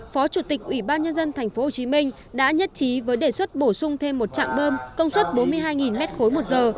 phó chủ tịch ủy ban nhân dân tp hcm đã nhất trí với đề xuất bổ sung thêm một trạm bơm công suất bốn mươi hai m ba một giờ